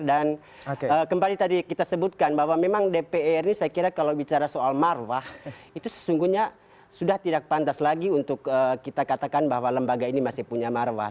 kembali tadi kita sebutkan bahwa memang dpr ini saya kira kalau bicara soal marwah itu sesungguhnya sudah tidak pantas lagi untuk kita katakan bahwa lembaga ini masih punya marwah